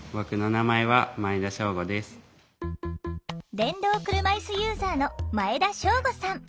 電動車いすユーザーの前田渉吾さん。